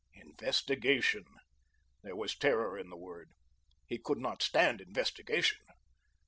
Investigation! There was terror in the word. He could not stand investigation.